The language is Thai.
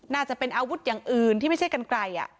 น่าจะเป็นอาวุธอย่างอื่นที่ไม่ใช่กันไกล